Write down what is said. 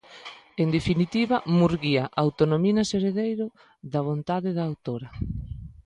En definitiva, Murguía autonomínase herdeiro da vontade da autora.